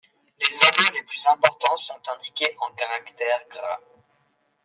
Les hameaux les plus importants sont indiqués en caractères gras.